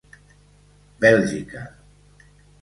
Bèlgica.